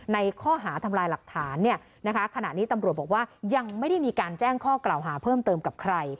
ในข้อหาทำลายหลักฐานขณะนี้ตำรวจบอกว่ายังไม่ได้มีการแจ้งข้อกล่าวหาเพิ่มเติมกับใคร